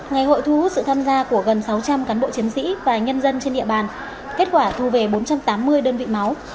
ngày hội thu hút sự tham gia của gần sáu trăm linh cán bộ chiến sĩ và nhân dân trên địa bàn kết quả thu về bốn trăm tám mươi đơn vị máu